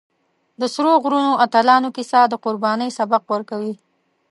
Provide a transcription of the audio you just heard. د سرو غرونو اتلانو کیسه د قربانۍ سبق ورکوي.